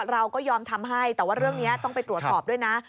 เราก็ยอมทำให้แต่ว่าเรื่องนี้ต้องไปตรวจสอบด้วยนะ